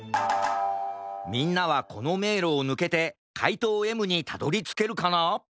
みんなはこのめいろをぬけてかいとうＭにたどりつけるかな？